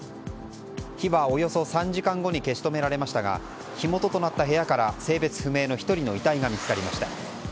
火はおよそ３時間後に消し止められましたが火元となった部屋から性別不明の１人の遺体が見つかりました。